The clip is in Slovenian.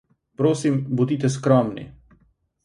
Prosim, bodite skromni.